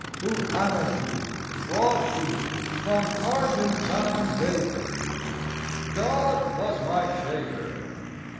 Who hammered you, wrought you, From argentine vapour? "God was my shaper.